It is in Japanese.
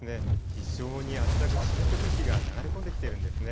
非常に暖かく湿った空気が流れ込んできているんですね。